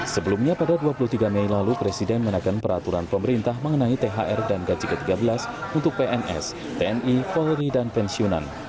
sebelumnya pada dua puluh tiga mei lalu presiden menaikkan peraturan pemerintah mengenai thr dan gaji ke tiga belas untuk pns tni polri dan pensiunan